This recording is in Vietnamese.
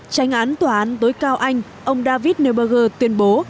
tránh án tòa án tối cao anh ông david neuberger tuyên bố